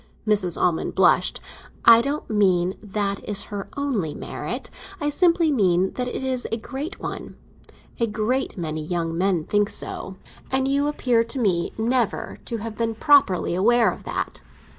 Mrs. Almond blushed. "I don't mean that is her only merit; I simply mean that it is a great one. A great many young men think so; and you appear to me never to have been properly aware of that.